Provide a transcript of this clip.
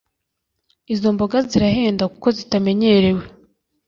izomboga zirahenda kuko zitamenyerewe